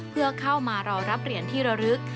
เพื่อเข้ามารอรับเหรียญที่ระลึก